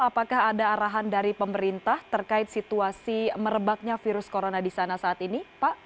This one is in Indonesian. apakah ada arahan dari pemerintah terkait situasi merebaknya virus corona di sana saat ini pak